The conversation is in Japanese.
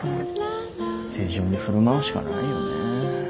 正常に振る舞うしかないよねえ。